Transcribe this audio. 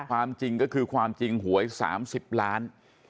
ความจริงก็คือความจริงหวย๓๐ล้าน